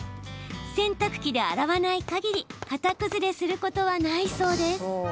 洗濯機で洗わないかぎり形崩れすることはないそうです。